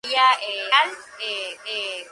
Le sobrevivió su hija, Nona Willis-Aronowitz.